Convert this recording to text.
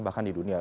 bahkan di dunia